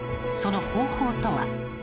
その方法とは？